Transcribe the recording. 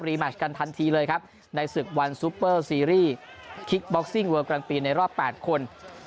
แมชกันทันทีเลยครับในศึกวันซูเปอร์ซีรีส์คิกบ็อกซิ่งเวอร์กลางปีในรอบ๘คน